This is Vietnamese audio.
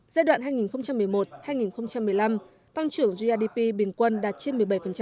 giai đoạn hai nghìn một mươi một hai nghìn một mươi năm tăng trưởng grdp bình quân đạt trên một mươi bảy